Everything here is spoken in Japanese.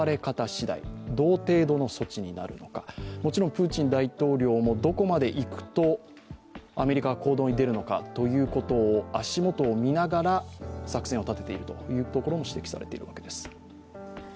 プーチン大統領もどこまでいくとアメリカが行動に出るのかということを足元を見ながら作戦を立てているということも指摘されているわけです。